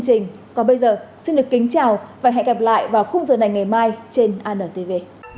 xin được kính chào và hẹn gặp lại vào khung giờ này ngày mai trên antv